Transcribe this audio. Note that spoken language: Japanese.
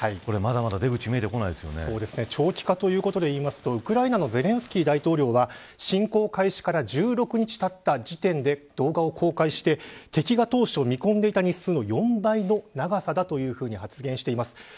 まだまだ出口が長期化ということで言うとウクライナのゼレンスキー大統領は侵攻開始から１６日たった時点で動画を公開して敵が当初見込んでいた日数の４倍の長さだと発言しています。